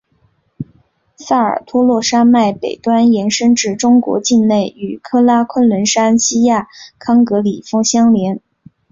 萨尔托洛山脉北端延伸至中国境内与喀喇昆仑山锡亚康戈里峰相连。